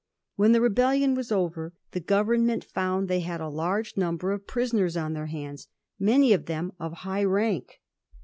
When the rebellion was over, the Government found they had a large number of prisonel's on their hands, many of them of high rank.